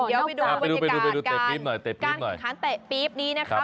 เดี๋ยวไปดูบรรยากาศการแข่งขันเตะปี๊บนี้นะครับ